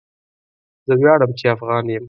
زه وياړم چي افغان يم.